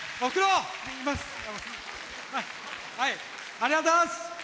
ありがとうございます。